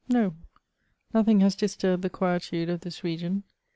No ; nothing has disturhed the quietude of this region.